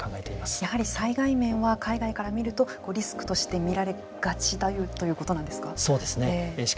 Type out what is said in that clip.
やはり災害面は海外から見るとリスクとして見られがちだということなんですか。